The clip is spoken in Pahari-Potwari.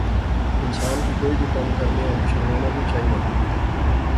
انسان کی کوئی وی کم کرنیا شرمانا نی چاینا